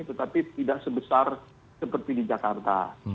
tetapi tidak sebesar seperti di jakarta